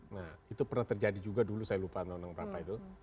nah itu pernah terjadi juga dulu saya lupa undang undang berapa itu